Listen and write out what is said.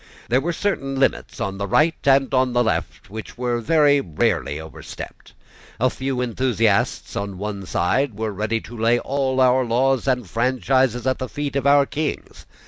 There were certain limits on the right and on the left, which were very rarely overstepped. A few enthusiasts on one side were ready to lay all our laws and franchises at the feet of our Kings.